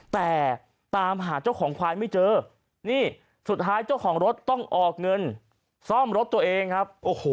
แต่ตามหาเจ้าของควายไม่เจอนี่สุดท้ายเจ้าของรถต้องออกเงินซ่อมรถตัวเองครับโอ้โห